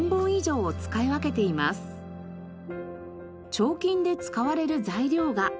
彫金で使われる材料が。